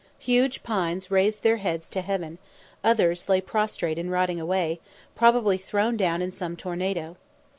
Huge pines raised their heads to heaven, others lay prostrate and rotting away, probably thrown down in some tornado.